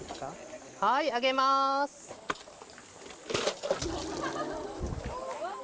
oke kita menambahkan